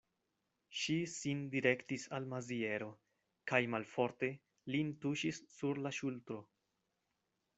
Ŝi sin direktis al Maziero, kaj malforte lin tuŝis sur la ŝultro.